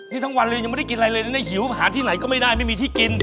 นี่ทั้งวันเลยยังไม่ได้กินอะไรเลยนะหิวหาที่ไหนก็ไม่ได้ไม่มีที่กิน